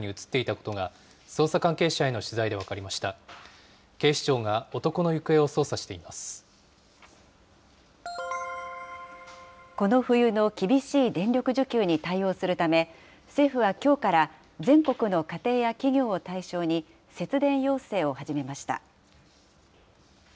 この冬の厳しい電力需給に対応するため、政府はきょうから、全国の家庭や企業を対象に節電要請を始めました。